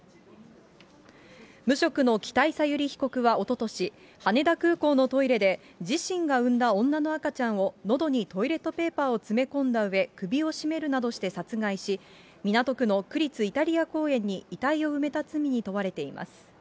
無職の北井小由里被告はおととし、羽田空港のトイレで、自身が産んだ女の赤ちゃんをのどにトイレットペーパーを詰め込んだうえ、首を絞めるなどして殺害し、港区の区立イタリア公園に遺体を埋めた罪に問われています。